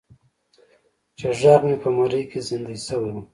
چې غږ مې په مرۍ کې زیندۍ شوی و.